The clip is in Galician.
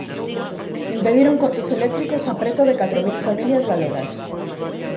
Impediron cortes eléctricos a preto de catro mil familias galegas.